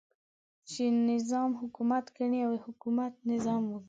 چې نظام حکومت ګڼي او حکومت نظام ګڼي.